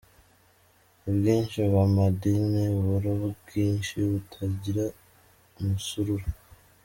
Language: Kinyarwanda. Ubwinshi bw’Amadini, uburo bwinshi butagira umusururu?.